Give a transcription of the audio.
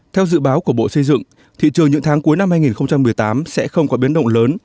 theo dự báo của bộ xây dựng thị trường những tháng cuối năm hai nghìn một mươi tám sẽ không có biến động lớn